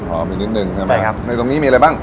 หน่อยตรงนี้มีอะไรบ้าง